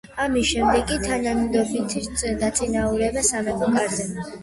ამის შემდეგ იგი თანდათანობით დაწინაურდა სამეფო კარზე.